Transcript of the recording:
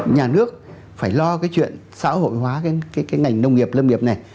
nhà nước phải lo cái chuyện xã hội hóa cái ngành nông nghiệp lâm nghiệp này